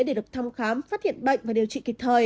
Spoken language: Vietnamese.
để được thăm khám phát hiện bệnh và điều trị kịp thời